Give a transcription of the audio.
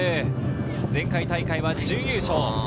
前回大会は準優勝。